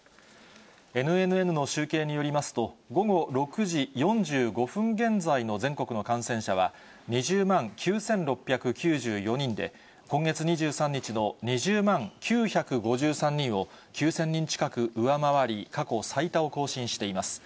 ＮＮＮの集計によりますと、午後６時４５分現在の全国の感染者は２０万９６９４人で、今月２３日の２０万９５３人を９０００人近く上回り、過去最多を更新しています。